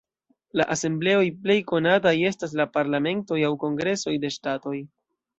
La asembleoj plej konataj estas la parlamentoj aŭ kongresoj de ŝtatoj.